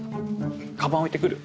かばん置いてくる。